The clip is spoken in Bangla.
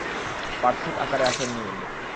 পার্থিব আকারে আসেননি উনি।